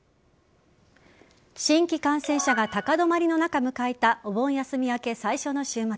新規感染者が高止まりの中迎えたお盆休み明け最初の週末。